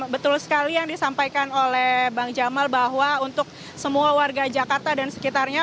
betul sekali yang disampaikan oleh bang jamal bahwa untuk semua warga jakarta dan sekitarnya